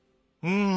うん。